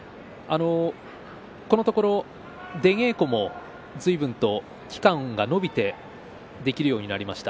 このところ出稽古もずいぶんと期間が延びてできるようになりました。